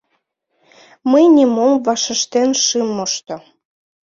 Мый нимом вашештен шым мошто.